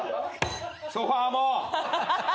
ソファも。